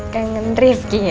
kangen rifki ya